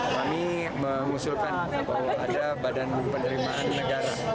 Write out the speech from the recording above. kami mengusulkan bahwa ada badan penerimaan negara